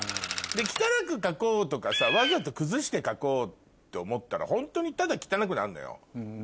汚く描こうとかわざと崩して描こうって思ったらホントにただ汚くなるのよ。